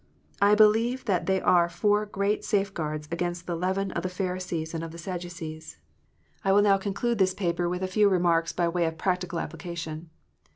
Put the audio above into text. I believe that they are four great safe guards against the leaven of the Pharisees and of the Sadducees. PHARISEES AND SADDUCEES. 343 I will now conclude this paper with a few remarks by way of practical application.